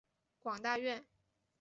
广大院。